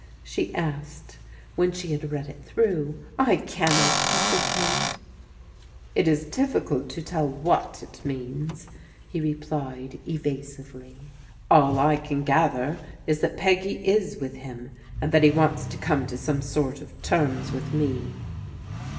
she asked, when she had read it through. " I cannot comprehend !"" It is difficult to tell what it means," he replied eva sively. "All I can gather Is that Peggy is with him, and that he wants to come to some sort of terms with me."